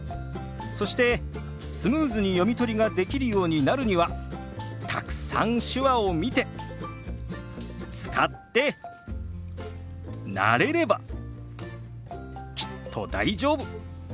そしてスムーズに読み取りができるようになるにはたくさん手話を見て使って慣れればきっと大丈夫。